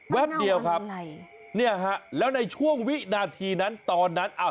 แว๊บเดียวครับนี่ฮะแล้วในช่วงวินาทีนั้นตอนนั้นอ้าว